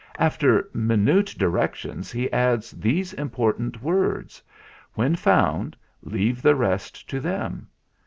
"After minute directions he adds these important words: 'When found, leave the rest to them.'